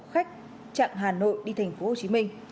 khách trạng hà nội đi tp hcm